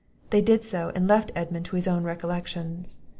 They did so, and left Edmund to his own recollections.